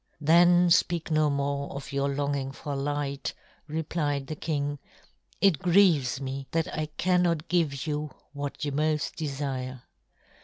"Then speak no more of your longing for light," replied the king. "It grieves me that I cannot give you what you most desire.